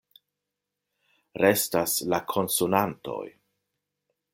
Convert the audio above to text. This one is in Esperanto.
Restas la konsonantoj.